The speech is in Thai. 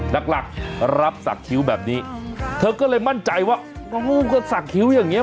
หลักหลักรับสักคิ้วแบบนี้เธอก็เลยมั่นใจว่าก็งูก็สักคิ้วอย่างนี้